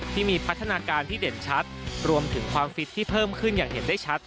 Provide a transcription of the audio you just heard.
ที่มีพัฒนาการที่เด่นชัดรวมถึงความฟิตที่เพิ่มขึ้นอย่างเห็นได้ชัด